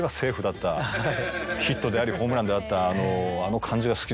ヒットでありホームランであった。